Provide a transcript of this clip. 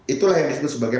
itulah yang disebut sebagai